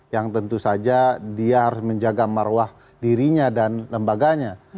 yang tentu saja dia harus menjaga marwah dirinya dan lembaganya